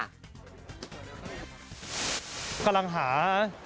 กำลังหา